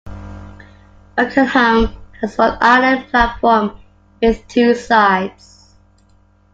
Pakenham has one island platform with two sides.